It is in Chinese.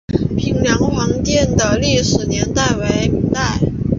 平凉隍庙的历史年代为明代。